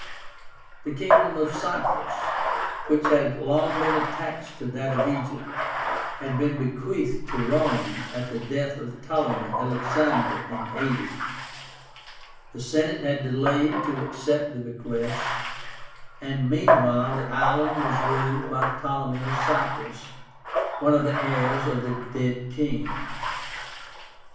The kingdom of Cyprus, which had long been attached to that of Egypt, had been bequeathed to Rome at the death of Ptolemy Alexander in 80. The Senate had delayed to accept the bequest, and meanwhile the island was ruled by Ptolemy of Cyprus, one of the heirs of the dead king.